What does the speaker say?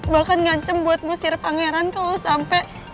bahkan ngancam buat musir pangeran ke lo sampai